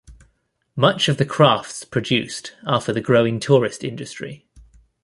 Much of the crafts produced are for the growing tourist industry.